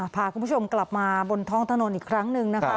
พาคุณผู้ชมกลับมาบนท้องถนนอีกครั้งหนึ่งนะคะ